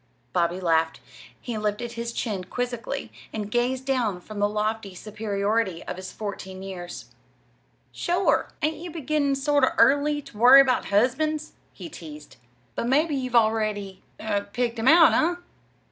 Bobby laughed. He lifted his chin quizzically, and gazed down from the lofty superiority of his fourteen years. "Sure, an' ain't ye beginnin' sort o' early ter worry about husbands?" he teased. "But, mebbe you've already er picked him out! eh?"